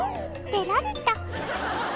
出られた！